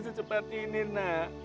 secepat ini nak